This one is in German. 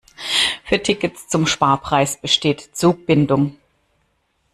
Für Tickets zum Sparpreis besteht Zugbindung.